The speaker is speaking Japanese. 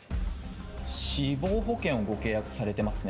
死亡保険をご契約されていますね。